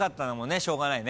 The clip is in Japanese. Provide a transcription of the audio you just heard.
しょうがないよね。